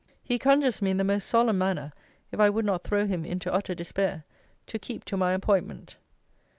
'He conjures me, in the most solemn manner, if I would not throw him into utter despair, to keep to my appointment.